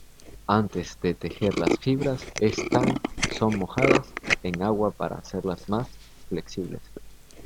Antes de tejer las fibras están son mojadas en agua para hacerlas más flexibles.